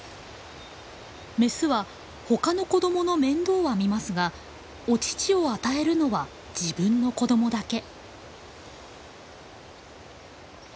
メスは他の子どもの面倒は見ますがお乳を与えるのは自分の子どもだけ。